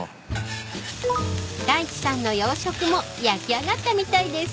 ［太一さんの洋しょくも焼き上がったみたいです］